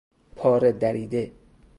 پاره دریده